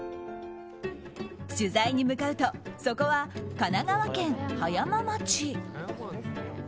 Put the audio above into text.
取材に向かうとそこは神奈川県葉山町。